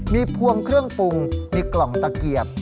มีพวงเครื่องปรุงมีกล่องตะเกียบ